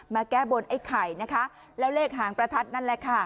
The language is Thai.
แก้บนไอ้ไข่นะคะแล้วเลขหางประทัดนั่นแหละค่ะ